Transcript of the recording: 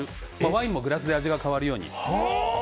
ワインもグラスで味が変わるように。